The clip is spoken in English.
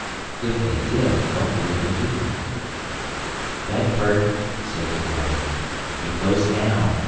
If they did, what would they do? "Bedford," said Cavor, "it goes down.